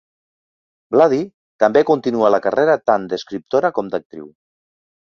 Vlady també continua la carrera tant d'escriptora com d'actriu.